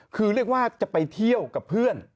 คือเรียกว่าจะไปเที่ยวกับเพื่อน